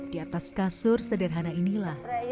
di atas kasur sederhana inilah